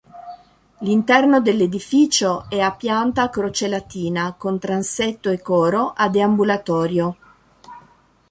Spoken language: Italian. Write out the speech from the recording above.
L'interno dell'edificio è a pianta a croce latina con transetto e coro a deambulatorio.